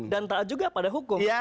dan taat juga pada hukum